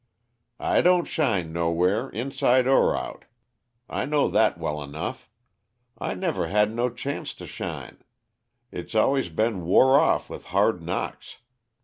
"I don't shine nowhere inside er out. I know that well enough. I never had no chancet to shine. It's always been wore off with hard knocks.